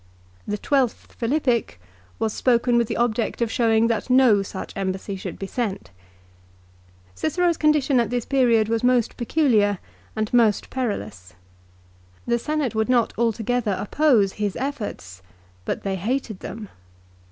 The twelfth Philippic was spoken with the object of showing that no such embassy should be sent. Cicero's condition at this period was most peculiar and most perilous. The Senate would not altogether oppose his efforts, but they hated them.